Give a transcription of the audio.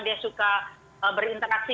dia suka berinteraksi